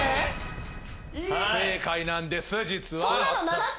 不正解なんです実は。